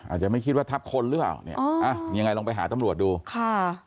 อาจจะไม่คิดว่าทับคนหรือเปล่าเนี่ยอ๋ออ่ะยังไงลองไปหาตำรวจดูค่ะ